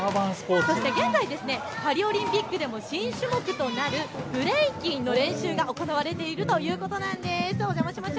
そして現在、パリオリンピックでも新種目となるブレイキンの練習が行われているということなんです。